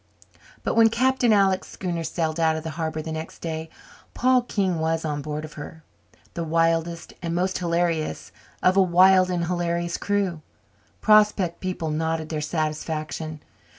But when Captain Alec's schooner sailed out of the harbour the next day, Paul King was on board of her, the wildest and most hilarious of a wild and hilarious crew. Prospect people nodded their satisfaction.